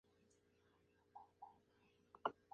Una victoria italiana en casa de Ford, que hará mucho daño.